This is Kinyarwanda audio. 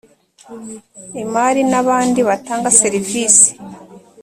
imari n abandi batanga serivisi